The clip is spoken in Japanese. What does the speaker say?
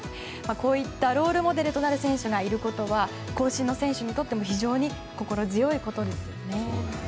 こういったロールモデルとなる選手がいることは後進の選手にとっても非常に心強いことですよね。